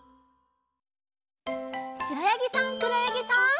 しろやぎさんくろやぎさん。